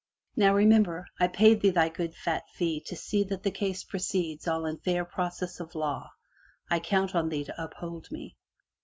Now, remember, I paid thee thy good fat fee to see that the case proceeds all in fair process of law. I count on thee to uphold me.'